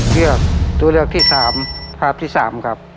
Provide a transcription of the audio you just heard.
เลือกตัวเลือกที่๓ภาพที่๓ครับ